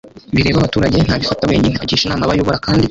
bireba abaturage ntabifata wenyine, agisha inama abo ayobora kandi